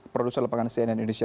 produser lepangan cnn indonesia